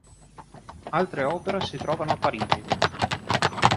Altre opere si trovano a Parigi.